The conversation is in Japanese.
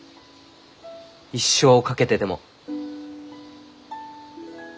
一生を懸けてでも。